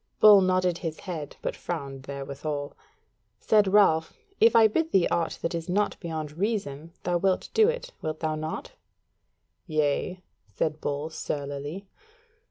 Bull nodded his head, but frowned therewithal. Said Ralph: "If I bid thee aught that is not beyond reason thou wilt do it, wilt thou not?" "Yea," said Bull, surlily.